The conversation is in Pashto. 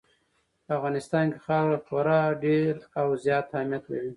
په افغانستان کې خاوره خورا ډېر او زیات اهمیت لري.